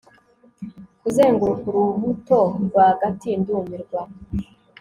kuzenguruka, urubuto rwagati ndumirwa